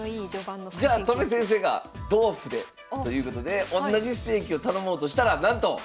じゃあ戸辺先生が「同歩で」ということでおんなじステーキを頼もうとしたらなんと！